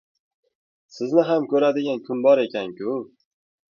Sizni ham ko‘radigan kun bor ekan-ku?